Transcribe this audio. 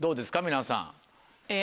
皆さん。